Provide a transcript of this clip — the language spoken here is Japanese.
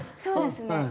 そうですね。